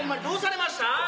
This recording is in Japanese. どうされました？